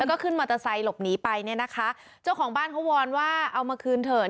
แล้วก็ขึ้นมอเตอร์ไซค์หลบหนีไปเนี่ยนะคะเจ้าของบ้านเขาวอนว่าเอามาคืนเถอะ